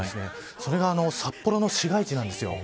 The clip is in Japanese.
それが札幌の市街地なんですよ。